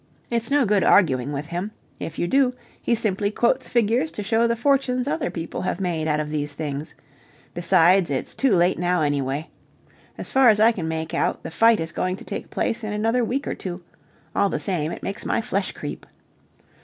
It's no good arguing with him. If you do, he simply quotes figures to show the fortunes other people have made out of these things. Besides, it's too late now, anyway. As far as I can make out, the fight is going to take place in another week or two. All the same, it makes my flesh creep.